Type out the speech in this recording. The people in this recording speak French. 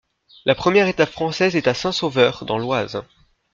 La première étape française est à Saint Sauveur, dans l'Oise.